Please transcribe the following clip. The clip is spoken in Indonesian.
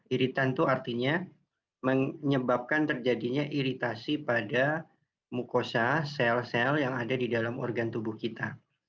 iritan itu artinya menyebabkan terjadinya iritasi pada mukosa sel sel yang ada di dalam organ tubuh kita